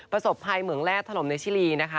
ประสบภัยเหมืองแร่ถล่มในชิลีนะคะ